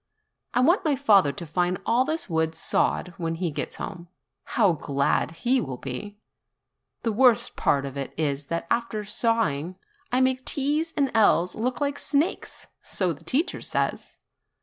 I want my father to find all this wood sawed when he gets home; how glad he will be! The worst part of it is that after sawing I make T's and L's which look like snakes, so the teacher says.